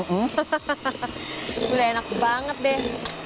udah enak banget deh